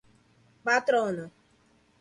patrona